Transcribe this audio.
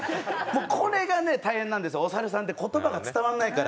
これが大変なんです、お猿さんが言葉が伝わらないから。